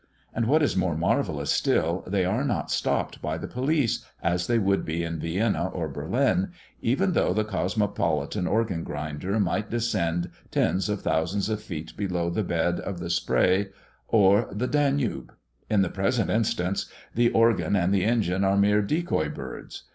And what is more marvellous still, they are not stopped by the police, as they would be in Vienna or Berlin, even though the cosmopolitan organ grinder might descend tens of thousands of feet below the bed of the Spre or the Danube. In the present instance, the organ and the engine are mere decoy birds.